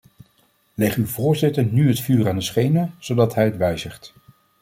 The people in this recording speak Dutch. Leg uw voorzitter nu het vuur aan de schenen, zodat hij het wijzigt!